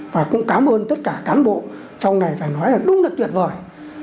và cũng cảm ơn tất cả cán bộ trong này phải nói là đúng là tuyệt vời